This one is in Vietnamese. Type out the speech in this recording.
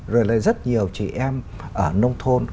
rồi là rất nhiều chị em ở nông thôn